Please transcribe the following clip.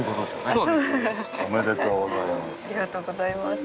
ありがとうございます。